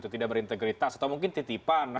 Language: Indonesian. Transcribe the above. tidak berintegritas atau mungkin titipan